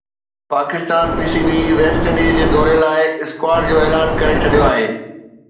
Pakistan P C B West Indies جي دوري لاءِ اسڪواڊ جو اعلان ڪري ڇڏيو آهي